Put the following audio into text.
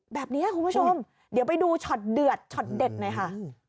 แบบนี้คุณผู้ชมเดี๋ยวไปดูช็อตเดือดช็อตเด็ดหน่อยค่ะ